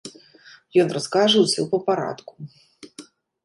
Ён раскажа ўсё па парадку.